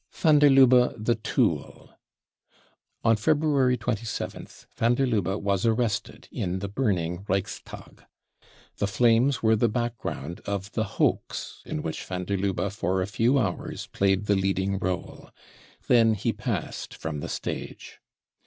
Van der Lubbe, the Tool. On February 27th van der Lubbe was arrested in the burning Reichstag. The flames were the background of the hoax in which van der Lubbe for a few hours played the leading role. Then he passed from the stage.